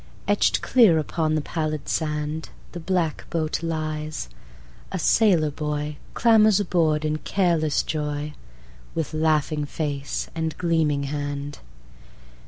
Etched clear upon the pallid sandThe black boat lies: a sailor boyClambers aboard in careless joyWith laughing face and gleaming hand.